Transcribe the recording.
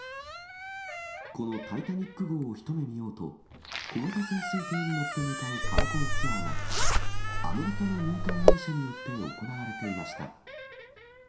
このタイタニック号を一目見ようと、小型潜水艇に乗って向かう観光ツアーが、アメリカの民間会社によって行われていました。